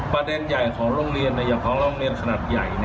ประเด็นใหญ่ของโรงเรียนอย่างของโรงเรียนขนาดใหญ่